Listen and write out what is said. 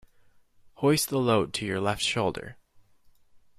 Hoist the load to your left shoulder.